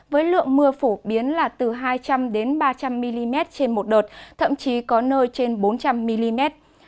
với lượng mưa phổ biến là từ hai trăm linh ba trăm linh mm trên một đợt thậm chí có nơi trên bốn trăm linh mm